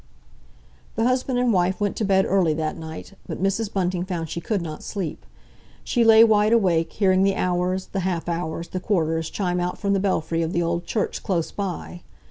The husband and wife went to bed early that night, but Mrs. Bunting found she could not sleep. She lay wide awake, hearing the hours, the half hours, the quarters chime out from the belfry of the old church close by.